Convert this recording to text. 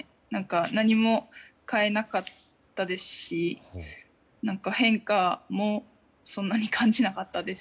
何も変えなかったですし変化もそんなに感じなかったです。